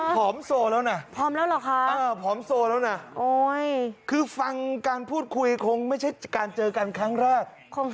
เขาปาก็ดงมาอยู่ที่ของเราลูก